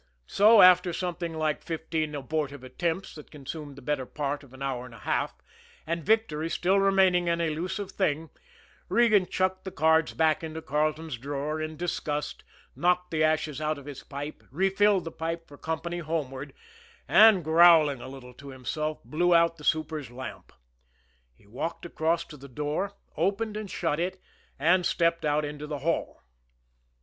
So, after something like fifteen abortive attempts that consumed the better part of an hour and a half, and victory still remaining an elusive thing, Regan chucked the cards back into Carleton's drawer in disgust, knocked the ashes out of his pipe, refilled the pipe for company homeward, and, growling a little to himself, blew out the super's lamp. He walked across to the door, opened and shut it, and stepped out into the hall.